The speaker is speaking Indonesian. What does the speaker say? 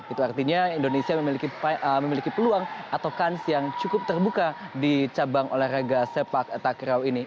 itu artinya indonesia memiliki peluang atau kans yang cukup terbuka di cabang olahraga sepak takraw ini